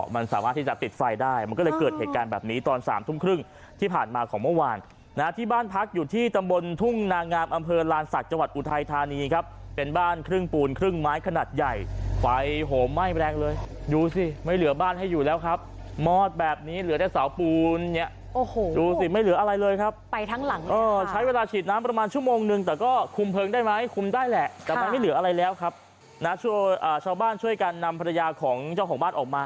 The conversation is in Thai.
มันสามารถที่จะติดไฟได้มันก็เลยเกิดเหตุการณ์แบบนี้ตอนสามทุ่มครึ่งที่ผ่านมาของเมื่อวานนะที่บ้านพักอยู่ที่ตำบลทุ่งนางามอำเภอลานศักดิ์จังหวัดอุทัยธานีครับเป็นบ้านครึ่งปูนครึ่งไม้ขนาดใหญ่ไฟโห้ไหม้แรงเลยดูสิไม่เหลือบ้านให้อยู่แล้วครับมอดแบบนี้เหลือแค่เสาปูนเนี้ยโอ้โหดูสิไม่เหล